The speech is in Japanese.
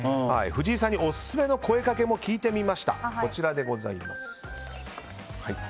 藤井さんにオススメの声掛けも聞いてきました。